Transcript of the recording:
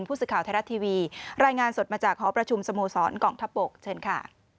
ผู้สื่อข่าวไทยรัฐทีวีรายงานสดมาจากหอประชุมสโมสรกองทัพบกเชิญค่ะ